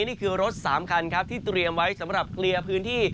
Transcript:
นี่คือรถ๓คันครับที่เตรียมไว้สำหรับเคลียร์พื้นที่